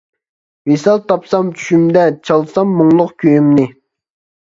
ۋىسال تاپسام چۈشۈمدە، چالسام مۇڭلۇق كۈيۈمنى.